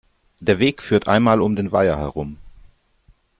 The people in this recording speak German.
Der Weg führt einmal um den Weiher herum.